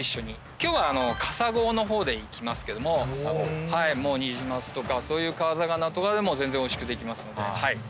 今日はカサゴの方でいきますけどもニジマスとかそういう川魚とかでも全然おいしくできますので。